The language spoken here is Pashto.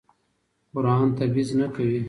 قرآن تبعیض نه کوي.